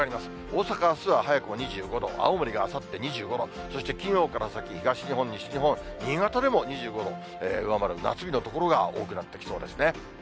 大阪あすは早くも２５度、青森があさって２５度、そして金曜から先、東日本、西日本、新潟でも２５度を上回る夏日の所が、多くなってきそうですね。